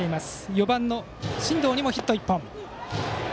４番の真藤にもヒット１本。